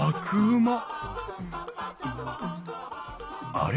あれ？